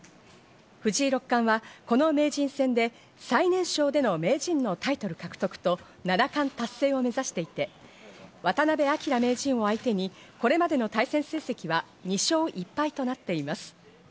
藤井六冠はこの名人戦で最年少での名人のタイトル獲得と七冠達成を目指していて、渡辺明名人を相手にこれまでの対戦成績は２勝１敗となっています。